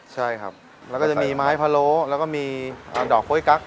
ใช่ครับแล้วก็จะมีไม้พะโล้แล้วก็มีดอกกล้วยกั๊